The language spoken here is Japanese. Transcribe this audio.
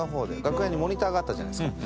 楽屋にモニターがあったじゃないですか。